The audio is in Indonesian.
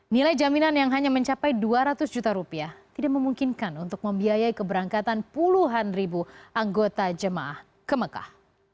nilai jaminan yang hanya mencapai dua ratus juta rupiah tidak memungkinkan untuk membiayai keberangkatan puluhan ribu anggota jemaah ke mekah